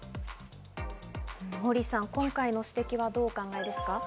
モーリーさん、今回の指摘はどうお考えですか？